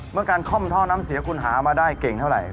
เมื่อการค่อมท่อน้ำเสียคุณหามาได้เก่งเท่าไหร่